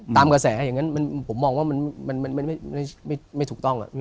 ตามกระแสอย่างนั้นผมมองว่ามันไม่ถูกต้อง